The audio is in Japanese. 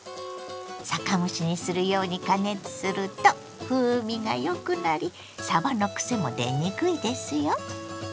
酒蒸しにするように加熱すると風味がよくなりさばのくせも出にくいですよ。